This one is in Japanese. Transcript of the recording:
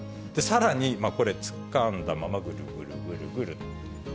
さらに、これ、つかんだままぐるぐるぐるぐる。